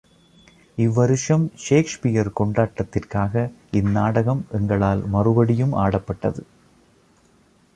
இவ் வருஷம் ஷேக்ஸ்பியர் கொண்டாட்டத்திற்காக இந் நாடகம் எங்களால் மறுபடியும் ஆடப்பட்டது.